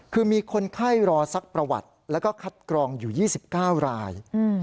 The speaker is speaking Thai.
คือมีคนไข้รอสักประวัติแล้วก็คัดกรองอยู่๒๙ราย